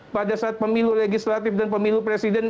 pada saat pemilu legislatif dan pemilu presiden